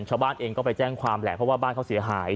ชาวบ้านเองก็ไปแจ้งความแหละเพราะว่าบ้านเขาเสียหาย